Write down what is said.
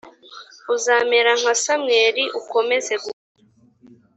uzamera nka samweli ukomeze gukora